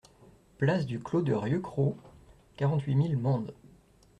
Place du Clos de Rieucros, quarante-huit mille Mende